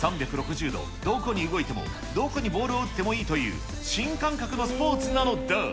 ３６０度、どこに動いても、どこにボールを打ってもいいという、新感覚のスポーツなのだ。